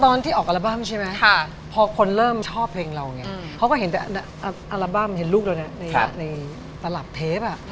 ตอนที่ออกอัลบั้มใช่ไหมพอคนเริ่มชอบเพลงเราไงเขาก็เห็นแต่อัลบั้มเห็นลูกเรานะในตลับเทป